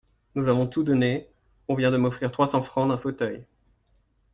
Nous avons tout donné, on vient de m'offrir trois cents francs d'un fauteuil.